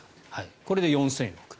これで４０００億円。